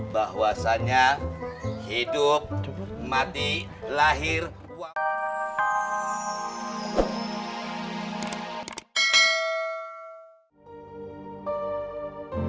bahwasannya hidup mati lahir uang